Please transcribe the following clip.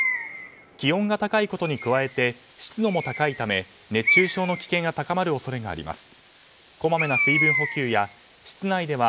気温が高いことに加えて湿度も高いため、熱中症の危険が高まる恐れがあります。